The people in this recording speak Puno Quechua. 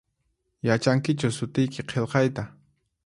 Yachankichu sutiyki qilqayta?